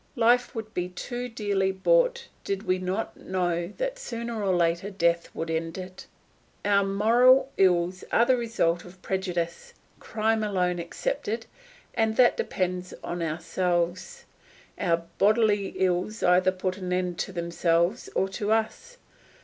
Life would be too dearly bought did we not know that sooner or later death will end it. Our moral ills are the result of prejudice, crime alone excepted, and that depends on ourselves; our bodily ills either put an end to themselves or to us.